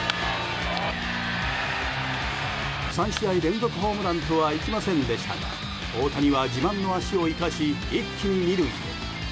３試合連続ホームランとはいきませんでしたが大谷は自慢の足を生かし一気に２塁へ。